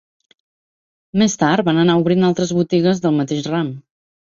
Més tard, van anar obrint altres botigues del mateix ram.